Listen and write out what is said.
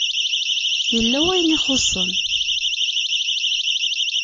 Yella wayen i ixuṣṣen.